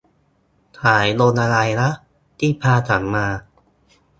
สายลมอะไรนะ ที่พาฉันมา